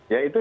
ya itu juga